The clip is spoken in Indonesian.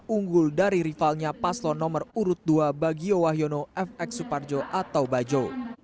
unggul dari rivalnya paslon nomor urut dua bagio wahyono fx suparjo atau bajo